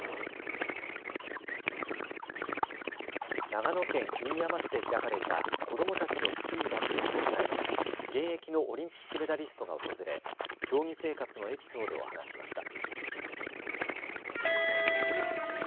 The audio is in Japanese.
長野県飯山市で開かれた子どもたちのスキージャンプの大会に現役のオリンピックメダリストが訪れ競技生活のエピソードを話しました。